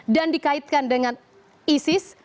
dan dikaitkan dengan isis